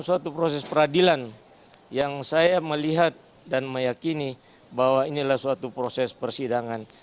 suatu proses peradilan yang saya melihat dan meyakini bahwa inilah suatu proses persidangan